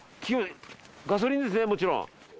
ガソリンですねもちろん。